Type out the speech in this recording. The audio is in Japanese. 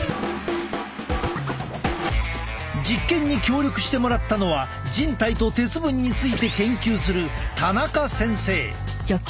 実験に協力してもらったのは人体と鉄分について研究する田中先生。